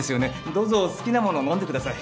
どうぞ好きなもの飲んでください。